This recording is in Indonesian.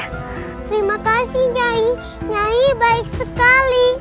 terima kasih nyai nyai baik sekali